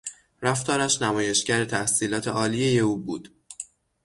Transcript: رفتارش نمایشگر تحصیلات عالیهی او بود.